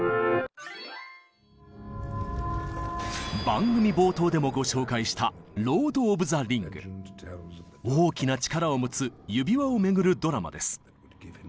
番組冒頭でもご紹介した大きな力を持つ「指輪」を巡るドラマです。